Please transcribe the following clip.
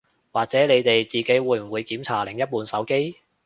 或者你哋自己會唔會檢查另一半手機